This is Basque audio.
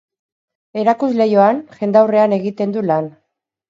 Erakusleihoan, jendaurrean egiten du lan.